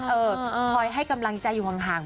คอยให้กำลังใจอยู่ห่าง